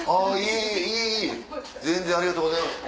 えいえいえ全然ありがとうございます。